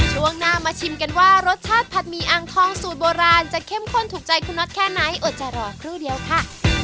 ช่วงหน้ามาชิมกันว่ารสชาติผัดหมี่อ่างทองสูตรโบราณจะเข้มข้นถูกใจคุณน็อตแค่ไหนอดใจรอครู่เดียวค่ะ